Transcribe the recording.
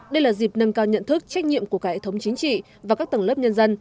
đây là dịp nâng cao nhận thức trách nhiệm của cả hệ thống chính trị và các tầng lớp nhân dân